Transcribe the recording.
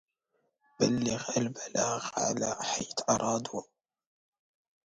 بلغ البغاة علي حيث أرادوا